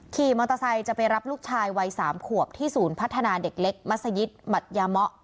ขี่มอเตอร์ไซค์จะไปรับลูกชายวัย๓ขวบที่ศูนย์พัฒนาเด็กเล็กมัศยิตหมัดยาเมาะ